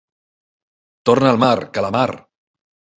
Torna al mar, calamar!